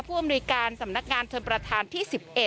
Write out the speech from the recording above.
อำนวยการสำนักงานชนประธานที่๑๑